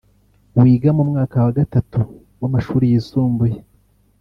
wiga mu mwaka wa Gatatu w’amashuri yisumbuye